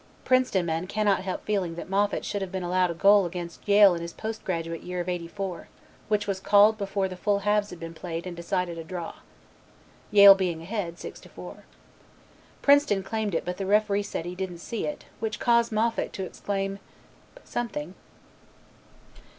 Princeton men cannot help feeling that Moffat should have been allowed a goal against Yale in his Post graduate year of '84, which was called before the full halves had been played and decided a draw, Yale being ahead, 6 to 4. Princeton claimed it but the Referee said he didn't see it, which caused Moffat to exclaim something.